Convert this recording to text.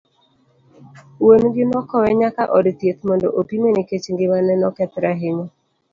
Wuon gi nokowe nyaka od thieth, mondo opime nikech ng'imane nokethore ahinya.